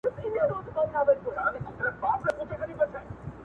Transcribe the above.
د اختر په شپه چي یو عالم کارونه دي پر سر پراته وي